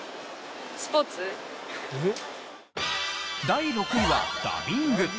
第６位はダビング。